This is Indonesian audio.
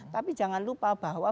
tapi jangan lupa bahwa